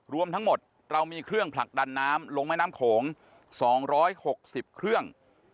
รวมทั้งหมดเรามีเครื่องผลักดันน้ำลงแม่น้ำโขง๒๖๐เครื่อง